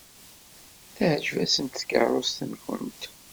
Teɛjeb-asent tkeṛṛust-nwent.